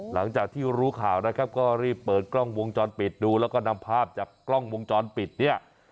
หลังจากที่รู้ข่าวนะครับก็รีบเปิดกล้องวงจรปิดดูแล้วก็นำภาพจากกล้องวงจรปิดเนี่ย